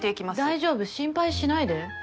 大丈夫心配しないで。